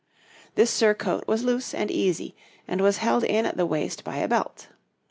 This surcoat was loose and easy, and was held in at the waist by a belt.